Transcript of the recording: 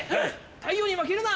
太陽に負けるな。